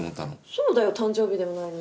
そうだよ誕生日でもないのに。